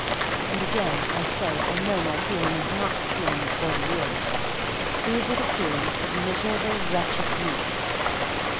And again I say I know my feeling is not the feeling of forty years. These are the feelings of miserable, wretched youth.